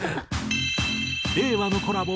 令和のコラボ